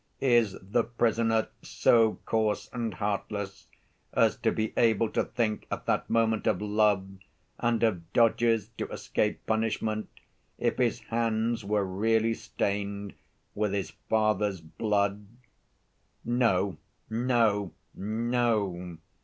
Is the prisoner so coarse and heartless as to be able to think at that moment of love and of dodges to escape punishment, if his hands were really stained with his father's blood? No, no, no!